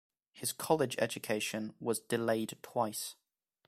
His college education was delayed twice.